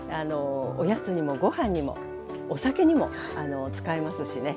おやつにもご飯にもお酒にも使えますしね。